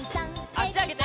あしあげて。